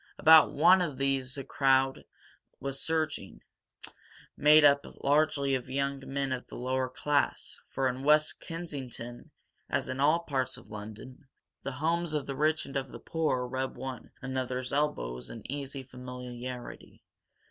About one of these a crowd was surging, made up largely of young men of the lower class, for in West Kensington, as in all parts of London, the homes of the rich and of the poor rub one another's elbows in easy familiarity.